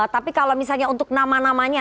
tapi kalau misalnya untuk nama namanya